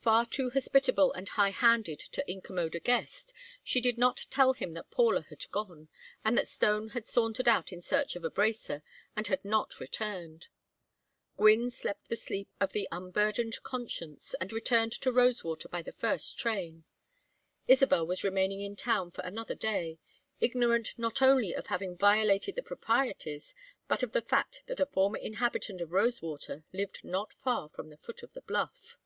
Far too hospitable and high handed to incommode a guest, she did not tell him that Paula had gone, and that Stone had sauntered out in search of a "bracer," and had not returned. Gwynne slept the sleep of the unburdened conscience, and returned to Rosewater by the first train Isabel was remaining in town for another day ignorant not only of having violated the proprieties, but of the fact that a former inhabitant of Rosewater lived not far from the foot of the bluff.